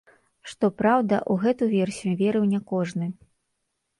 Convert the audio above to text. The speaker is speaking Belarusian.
Што праўда, у гэту версію верыў не кожны.